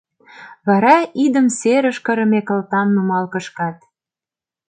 Вара идым серыш кырыме кылтам нумал кышкат.